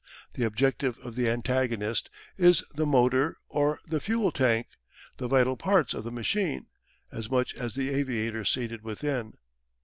The objective of the antagonist is the motor or the fuel tank, the vital parts of the machine, as much as the aviator seated within.